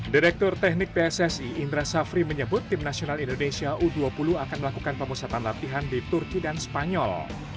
direktur teknik pssi indra safri menyebut tim nasional indonesia u dua puluh akan melakukan pemusatan latihan di turki dan spanyol